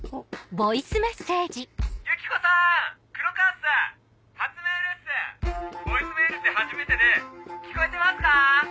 ボイスメールって初めてで聞こえてますか？